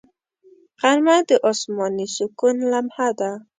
غرمه د آسماني سکون لمحه ده